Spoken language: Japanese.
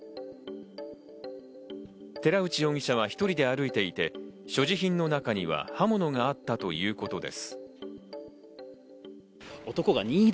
寺内容疑者は１人で歩いていて、所持品の中には刃物があったということです。